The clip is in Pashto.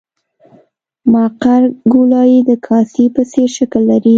مقعر ګولایي د کاسې په څېر شکل لري